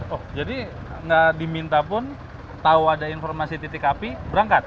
oh jadi nggak diminta pun tahu ada informasi titik api berangkat